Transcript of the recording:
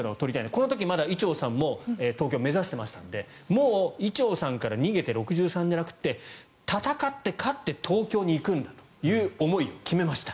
この時、まだ伊調さんも東京を目指していたのでもう伊調さんから逃げて６３ｋｇじゃなくて戦って勝って東京に行くんだという思いを決めました。